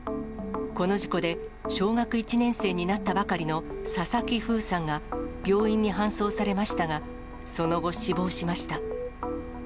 この事故で、小学１年生になったばかりの佐々木楓さんが病院に搬送されましたが、その後、死亡しました。